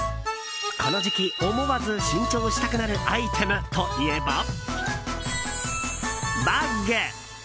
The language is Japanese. この時期、思わず新調したくなるアイテムといえば、バッグ！